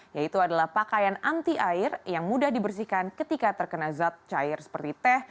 yaitu adalah pakaian anti air yang mudah dibersihkan ketika terkena zat cair seperti teh